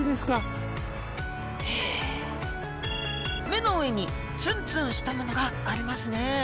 目の上にツンツンしたものがありますね！